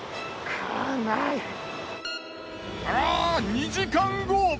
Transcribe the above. ２時間後！